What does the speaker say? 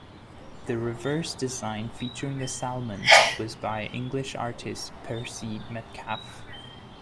The reverse design featuring a salmon was by English artist Percy Metcalfe.